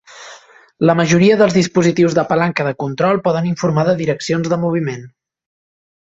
La majoria dels dispositius de palanca de control poden informar de direccions de moviment.